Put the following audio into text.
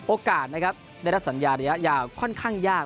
โอกาสนะครับได้รับสัญญาระยะยาวค่อนข้างยาก